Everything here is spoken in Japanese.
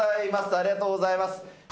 ありがとうございます。